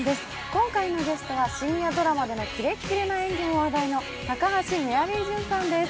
今回のゲストは深夜ドラマでのキレッキレな演技も話題の高橋メアリージュンさんです。